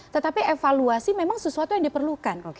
tetapi evaluasi memang sesuatu yang diperlukan